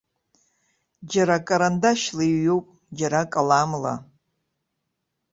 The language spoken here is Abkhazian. Џьара карандашьла иҩуп, џьара каламла.